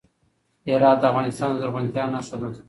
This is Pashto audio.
هرات د افغانستان د زرغونتیا نښه ده.